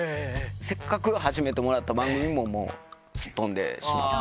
せっかく初めてもらった番組ももう、すっ飛んでしまって。